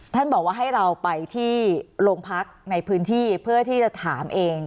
ท่านบอกว่าให้เราไปที่โรงพักในพื้นที่เพื่อที่จะถามเอง